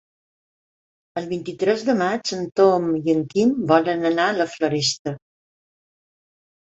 El vint-i-tres de maig en Tom i en Quim volen anar a la Floresta.